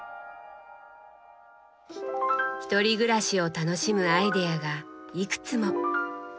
ひとり暮らしを楽しむアイデアがいくつも。